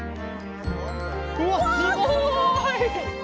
うわすごい。